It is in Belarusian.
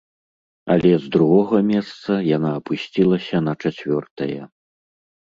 Але з другога месца яна апусцілася на чацвёртае.